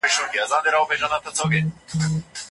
خدايداد محمدزى کمال طرزي افغان